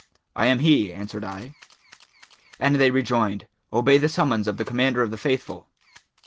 'I am he,' answered I; and they rejoined, 'Obey the summons of the Commander of the Faithful.'